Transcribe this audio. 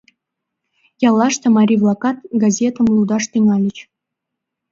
Яллаште марий-влакат газетым лудаш тӱҥальыч.